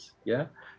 seperti diketahui kan